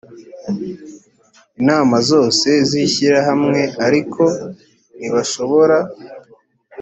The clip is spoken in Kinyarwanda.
inama zose z’ ishyirahamwe ariko ntibashobora